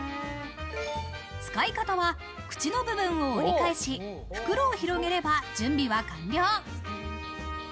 使い方は口の部分を折り返し、袋を広げれば準備は完了。